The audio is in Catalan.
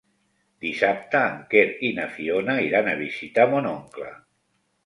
Dissabte en Quer i na Fiona iran a visitar mon oncle.